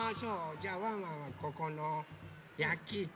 じゃあワンワンはここのやきいか。